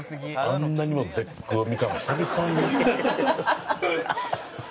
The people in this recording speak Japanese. あんなにも絶句を見たのは久々。